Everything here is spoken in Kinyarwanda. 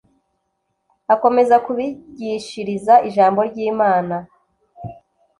akomeza kubigishiriza ijambo ry imana